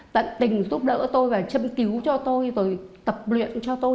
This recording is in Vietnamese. tận tình giúp đỡ tôi và châm cứu cho tôi rồi tập luyện cho tôi